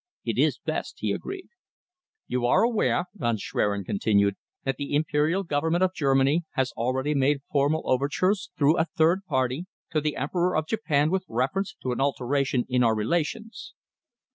"It is best," he agreed. "You are aware," Von Schwerin continued, "that the Imperial Government of Germany has already made formal overtures, through a third party, to the Emperor of Japan with reference to an alteration in our relations?"